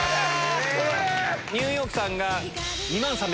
ニューヨークさん。